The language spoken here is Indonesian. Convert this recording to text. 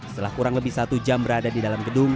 setelah kurang lebih satu jam berada di dalam gedung